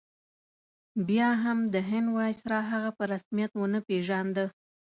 بیا هم د هند ویسرا هغه په رسمیت ونه پېژانده.